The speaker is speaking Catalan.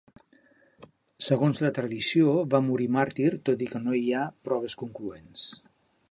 Segons la tradició va morir màrtir tot i que no hi ha proves concloents.